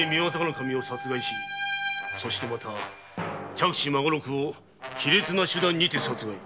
守を殺害しそして嫡子孫六を卑劣な手段にて殺害。